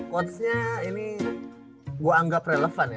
coachnya ini gue anggap relevan ya